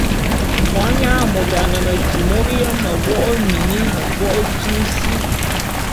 Monyang môt a ne metyi m'oyém; mevo'o ô mini, mevo'o ô tyui sí.